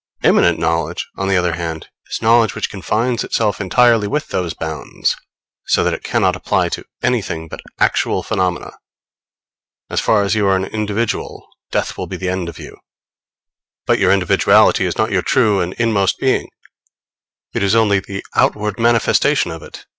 Immanent knowledge, on the other hand, is knowledge which confines itself entirely with those bounds; so that it cannot apply to anything but actual phenomena. As far as you are an individual, death will be the end of you. But your individuality is not your true and inmost being: it is only the outward manifestation of it.